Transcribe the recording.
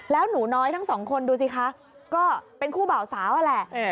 แล้วหนูน้อยทั้งสองคนดูสิคะก็เป็นคู่บ่าวสาวนั่นแหละ